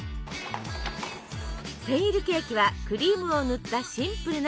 センイルケーキはクリームを塗ったシンプルなスポンジケーキ。